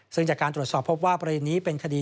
ซึ่งจากการตรวจสอบพบว่าประเด็นนี้เป็นคดี